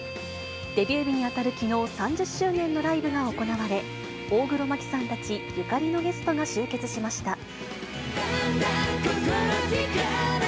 デビュー日に当たるきのう、３０周年のライブが行われ、大黒摩季さんたち、ゆかりのゲストが集結しました。